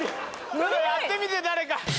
やってみて誰か。